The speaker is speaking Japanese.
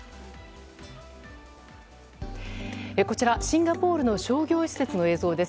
こちらシンガポールの商業施設の映像です。